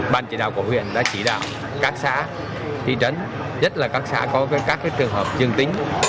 ban chỉ đạo của huyện đã chỉ đạo các xã thị trấn nhất là các xã có các trường hợp dương tính